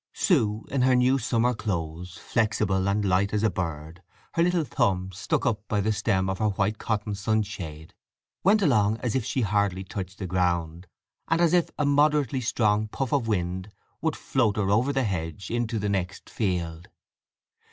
Sue, in her new summer clothes, flexible and light as a bird, her little thumb stuck up by the stem of her white cotton sunshade, went along as if she hardly touched ground, and as if a moderately strong puff of wind would float her over the hedge into the next field.